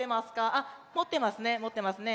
あっもってますねもってますね。